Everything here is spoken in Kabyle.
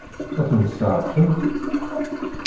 Ad tent-seɛfent?